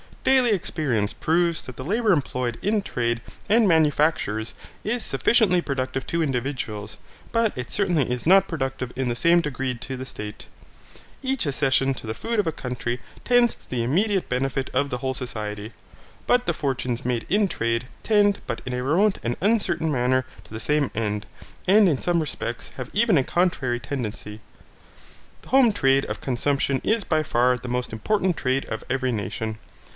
Daily experience proves that the labour employed in trade and manufactures is sufficiently productive to individuals, but it certainly is not productive in the same degree to the state. Every accession to the food of a country tends to the immediate benefit of the whole society; but the fortunes made in trade tend but in a remote and uncertain manner to the same end, and in some respects have even a contrary tendency. The home trade of consumption is by far the most important trade of every nation.